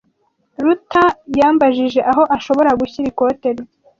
Ruta yambajije aho ashobora gushyira ikote rye.